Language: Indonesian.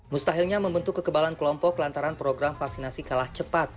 mustahilnya membentuk kekebalan kelompok lantaran program vaksinasi kalah cepat